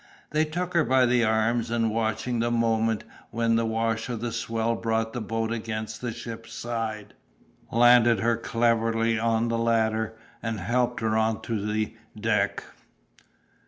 They took her by the arms, and watching the moment when the wash of the swell brought the boat against the ship's side, landed her cleverly on the ladder and helped her on to the deck.